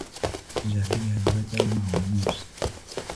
ذره ای حقیقت در آن مقاله نیست.